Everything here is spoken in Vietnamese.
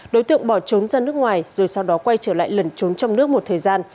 đối tượng bỏ trốn ra nước ngoài rồi sau đó quay trở lại lẩn trốn trong nước một thời gian